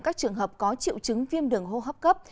các trường hợp có triệu chứng viêm đường hô hấp cấp